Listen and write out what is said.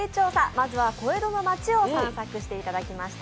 まずは小江戸の町を散策していただきました。